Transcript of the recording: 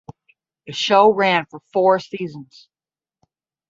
The show ran for four seasons.